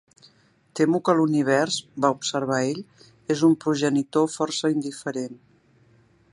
"Temo que l'univers", va observar ell, "és un progenitor força indiferent".